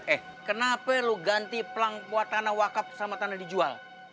eh kenapa lu ganti pelang kuat tanah wakaf sama tanah dijual